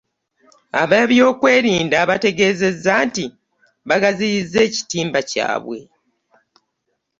Ab'ebyokwerinda bategeezezza nti bagaziyizza ekitimba kyabwe